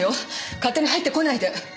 勝手に入ってこないで！